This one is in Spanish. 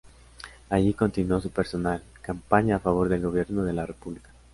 Allí continuó su personal campaña a favor del gobierno de la República.